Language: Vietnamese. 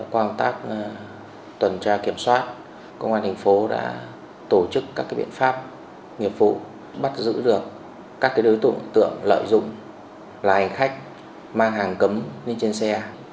quang tác tuần tra kiểm soát công an tp đã tổ chức các biện pháp nghiệp vụ bắt giữ được các đối tượng lợi dụng là hành khách mang hàng cấm lên trên xe